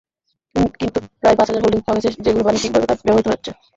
কিন্তু প্রায় পাঁচ হাজার হোল্ডিং পাওয়া গেছে, যেগুলো বাণিজ্যিক কাজে ব্যবহৃত হচ্ছে।